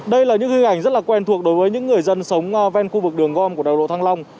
đây là những hình ảnh rất là quen thuộc đối với những người dân sống ven khu vực đường gom của đèo lộ thăng long